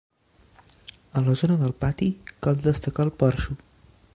A la zona del pati cal destacar el porxo.